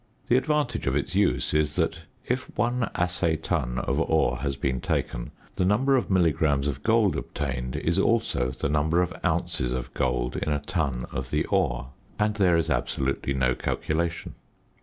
The advantage of its use is that if one assay ton of ore has been taken, the number of milligrams of gold obtained is also the number of ounces of gold in a ton of the ore, and there is absolutely no calculation.